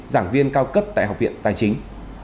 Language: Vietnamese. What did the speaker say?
giảng viên cao cấp tại học viện tài chính